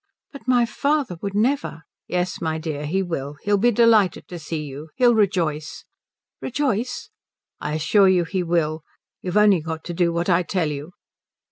"But my father would never " "Yes my dear, he will. He'll be delighted to see you. He'll rejoice." "Rejoice?" "I assure you he will. You've only got to do what I tell you."